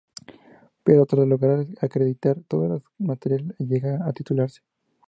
Pero tras lograr acreditar todas las materias llega a titularse.